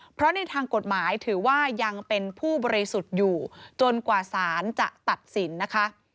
เพราะในทางกฎหมายถือว่ายังเป็นผู้บริสุทธิ์อยู่จนกว่าสารจะตัดสินนะคะ